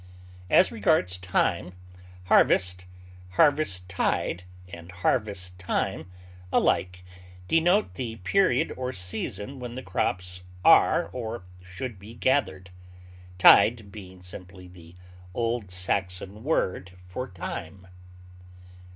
As regards time, harvest, harvest tide, and harvest time alike denote the period or season when the crops are or should be gathered (tide being simply the old Saxon word for time).